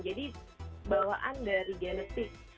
jadi bawaan dari genetik